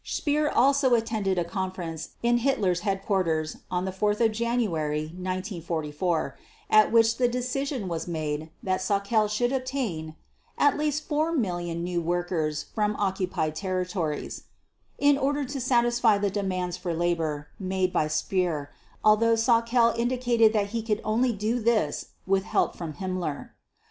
Speer also attended a conference in Hitler's headquarters on 4 January 1944, at which the decision was made that Sauckel should obtain "at least 4 million new workers from occupied territories" in order to satisfy the demands for labor made by Speer, although Sauckel indicated that he could do this only with help from Himmler.